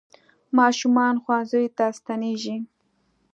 ماشومان ښوونځیو ته ستنېږي.